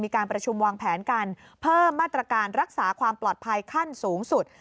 มีการประชุมวางแผนการเพิ่มมาตรการรักษาความปลอดภัยขั้นสูงสุด